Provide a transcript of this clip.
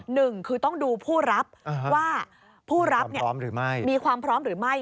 หนึ่งคือต้องดูผู้รับว่าผู้รับมีความพร้อมหรือไม่